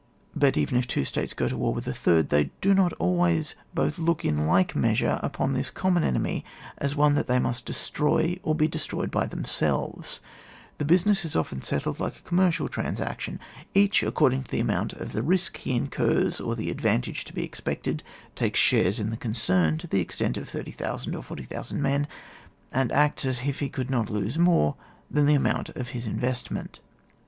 But even if two States go to war with a third, they do not always both look in like measure upon this common enemy as one that they must destroy or be destroyed by themselves, the business is often settled like a commercial trans action ; each, according to the amoimt of the risk he incurs or the advantage to be expected, takes shares in the concern to the extent of 30,000 or 40,000 men, and acts as if he could not lose more than the amount of his investment.